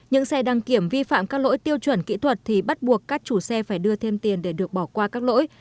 những xe đăng kiểm vi phạm các lỗi tiêu chuẩn kỹ thuật thì bắt buộc các chủ xe phải đưa thêm tiền để được bỏ qua các lỗi